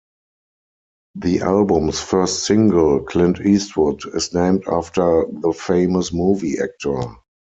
The album's first single "Clint Eastwood", is named after the famous movie actor.